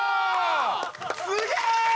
すげえ！